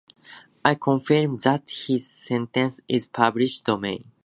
I confirm that this sentence is public domain.